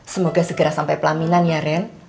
semoga segera sampai pelaminan ya ren